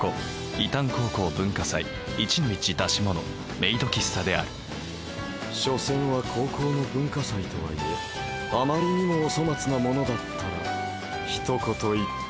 伊旦高校文化祭 １−１ 出し物メイド喫茶である明戸：所詮は高校の文化祭とはいえあまりにもお粗末なものだったらひとこと言って